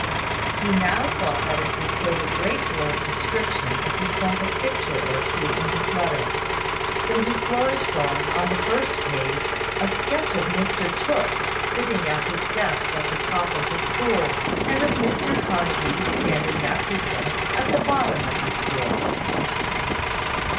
He now thought that it would save a great deal of description if he sent a picture or two in his letter: so he flourished off, on the first page, a sketch of Mr Tooke sitting at his desk at the top of the school, and of Mr Carnaby standing at his desk at the bottom of the school.